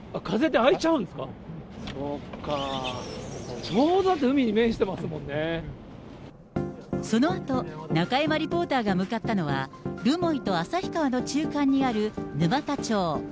そっかー、ちょうど海に面してまそのあと、中山リポーターが向かったのは、留萌と旭川の中間にある沼田町。